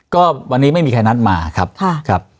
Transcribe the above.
ก็วันนี้ไม่มีใครนัดมาครับ